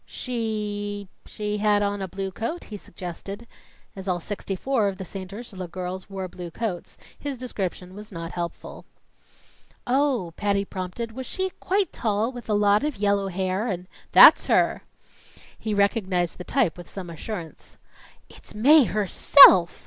"She she had on a blue coat," he suggested. As all sixty four of the St. Ursula girls wore blue coats, his description was not helpful. "Oh," Patty prompted, "was she quite tall with a lot of yellow hair and " "That's her!" He recognized the type with some assurance. "It's Mae herself!"